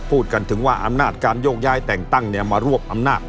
พูดกันถึงว่าอำนาจการโยกย้ายแต่งตั้งเนี่ยมารวบอำนาจ